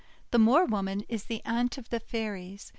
The Moor Woman is the aunt of the Fairies.